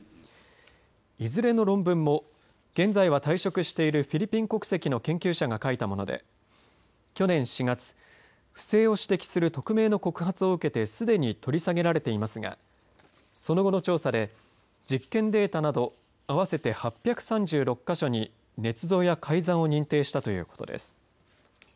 いずれの論文も現在は退職しているフィリピン国籍の研究者が書いたもので去年４月、不正を指摘する匿名の告発を受けてすでに取り下げられていますがその後の調査で実験データなど合わせて８３６か所にねつ造や改ざんを認定したということです。